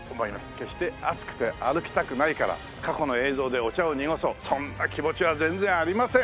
決して暑くて歩きたくないから過去の映像でお茶を濁そうそんな気持ちは全然ありません。